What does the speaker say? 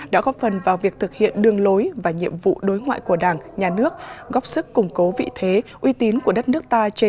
đã góp phần vào việc thực hiện đường lối và nhiệm vụ đối ngoại của đảng nhà nước góp sức củng cố vị thế uy tín của đất nước ta